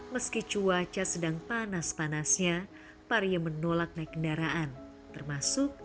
meski cuaca sedang panas panasnya pariam menolak naik kendaraan termasuk naik beca